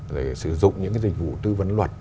rồi sử dụng những cái dịch vụ tư vấn luật